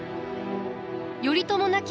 頼朝亡き